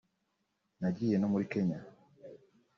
nagiye no muri Kenya